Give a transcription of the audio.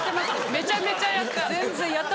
めちゃめちゃやった。